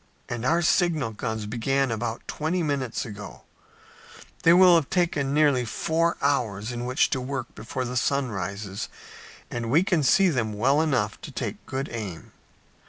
"And our signal guns began about twenty minutes ago. They will have nearly four hours in which to work before the sun rises and we can see them well enough to take good aim."